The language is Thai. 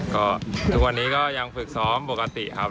ก็ทุกวันนี้ก็ยังฝึกซ้อมปกติครับ